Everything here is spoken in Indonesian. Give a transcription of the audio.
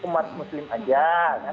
dan umat muslim aja